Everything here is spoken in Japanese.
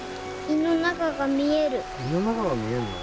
胃の中が見えるの？